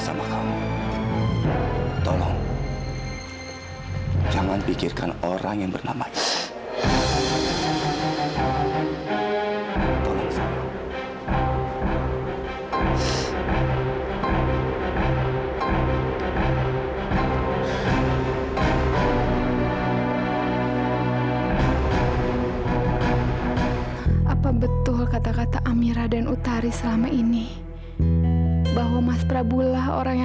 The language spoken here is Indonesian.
sampai jumpa di video selanjutnya